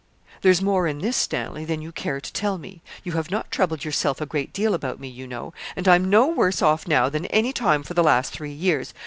'There's more in this, Stanley, than you care to tell me. You have not troubled yourself a great deal about me, you know: and I'm no worse off now than any time for the last three years.